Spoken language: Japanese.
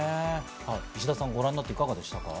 石田さん、ご覧になって、いかがでしたか？